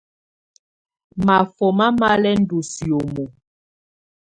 Máfɔ́má má lɛ́ ndɔ́ sìómo.